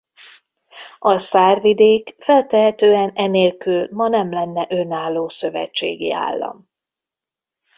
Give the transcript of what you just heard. A Saar-vidék feltehetően enélkül ma nem lenne önálló szövetségi állam.